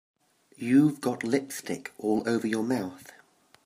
You've got lipstick all over your mouth.